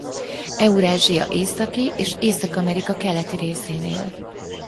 Eurázsia északi és Észak-Amerika keleti részén él.